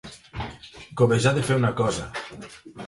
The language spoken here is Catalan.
Cobejar de fer una cosa.